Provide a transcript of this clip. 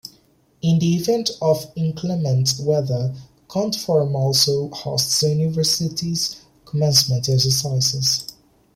In the event of inclement weather, Conte Forum also hosts the university's commencement exercises.